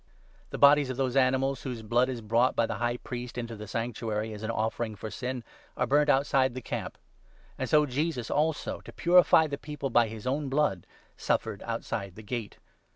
The n bodies of those animals whose blood is brought by the High Priest into the Sanctuary, as an offering for sin, are burnt outside the camp. And so Jesus, also, to purify the People by u his own blood, suffered outside the gate.